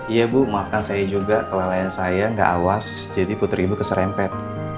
iya bu maafkan saya juga kelalaian saya nggak awas jadi putri ibu keserempet